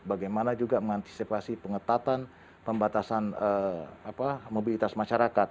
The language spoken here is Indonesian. bagaimana juga mengantisipasi pengetatan pembatasan mobilitas masyarakat